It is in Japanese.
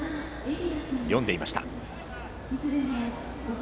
読んでいました。